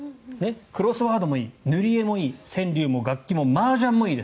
クロスワードもいい塗り絵もいい川柳も楽器もマージャンもいいです。